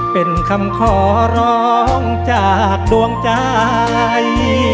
เป็นคำขอร้องจากดวงใจ